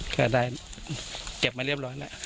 ก็ได้เก็บมาเรียบร้อยแล้ว